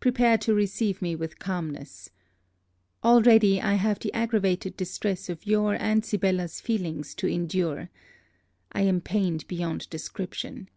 Prepare to receive me with calmness. Already, I have the aggravated distress of your and Sibella's feelings to endure. I am pained beyond description.